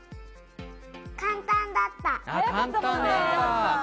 簡単だった。